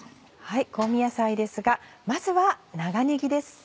香味野菜ですがまずは長ねぎです。